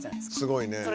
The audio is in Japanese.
すごいね。